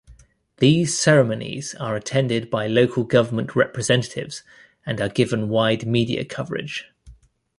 These ceremonies are attended by local government representatives and are given wide media coverage.